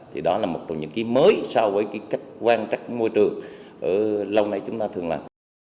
thì đó là một trong những cái mới so với cái cách quan trách môi trường ở lâu nay chúng ta thường làm